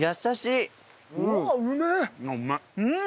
うん！